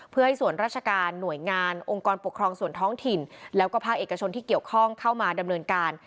เพื่อให้ส่วนราชการหน่วยงานองค์กรปกครองส่วนท้องถิ่นแล้วก็ภาคเอกชนที่เกี่ยวข้องเข้ามาดำเนินการ